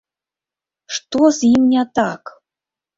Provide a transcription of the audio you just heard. Што з ім не так?